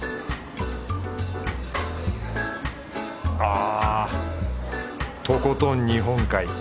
あとことん日本海。